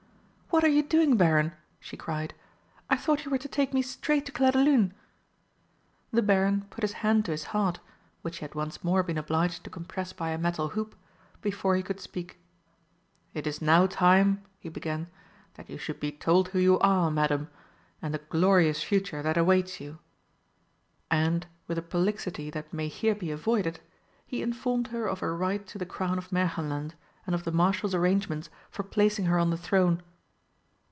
"What are you doing, Baron?" she cried. "I thought you were to take me straight to Clairdelune?" The Baron put his hand to his heart (which he had once more been obliged to compress by a metal hoop) before he could speak. "It is now time," he began, "that you should be told who you are, Madam, and the glorious future that awaits you." And, with a prolixity that may here be avoided, he informed her of her right to the crown of Märchenland and of the Marshal's arrangements for placing her on the throne.